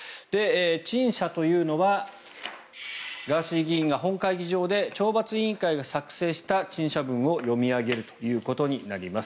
陳謝というのはガーシー議員が本会議場で懲罰委員会が作成した陳謝文を読み上げるということになります。